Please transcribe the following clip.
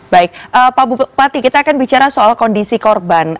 baik pak bupati kita akan bicara soal kondisi korban